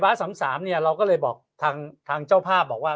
บ๊าสำสามนี่เราก็เลยบอกทางเจ้าภาพบอกว่า